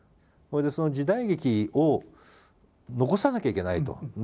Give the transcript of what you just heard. それでその時代劇を残さなきゃいけないと。